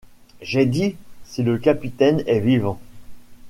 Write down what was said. J’ai dit: si le capitaine est vivant...